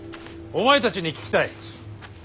お前たちに聞きたい。